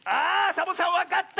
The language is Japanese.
サボさんわかった！